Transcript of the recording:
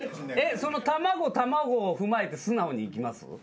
そのたまご・たまごを踏まえて素直にいきます？